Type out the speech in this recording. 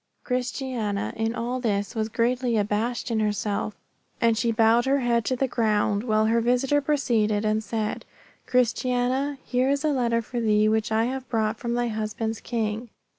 Christiana at all this was greatly abashed in herself, and she bowed her head to the ground, while her visitor proceeded and said, Christiana, here is a letter for thee which I have brought from thy husband's King.